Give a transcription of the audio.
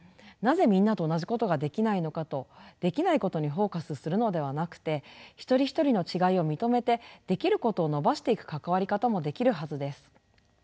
なぜみんなと同じことができないのかとできないことにフォーカスするのではなくて一人一人の違いを認めてできることを伸ばしていく関わり方もできるはずです。